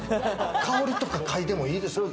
香りとか、かいでもいいですか？